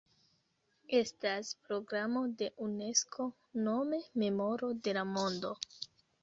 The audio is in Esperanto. Estas programo de Unesko nome Memoro de la Mondo.